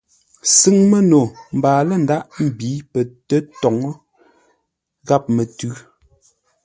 Sʉ́ŋ məno mbaa lə̂ ndághʼ mbǐ pətə́toŋə́ ghámətʉ̌.